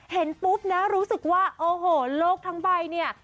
เห็นปุ๊บนะรู้สึกว่าโอ้โหโลกทั้งใบเนี่ย